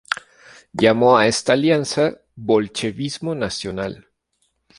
Llamó a esta alianza "bolchevismo nacional".